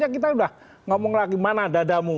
ya kita udah ngomong lagi mana dadamu